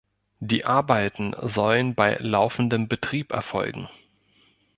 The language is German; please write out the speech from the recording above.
Die Arbeiten sollen bei laufendem Betrieb erfolgen.